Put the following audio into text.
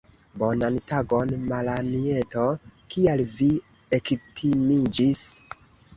Bonan tagon, Malanjeto, kial vi ektimiĝis?